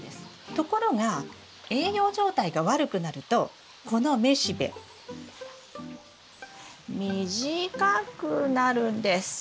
ところが栄養状態が悪くなるとこの雌しべ短くなるんです。